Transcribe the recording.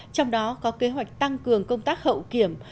trong đó có kế hoạch tăng cường công tác hậu kiểm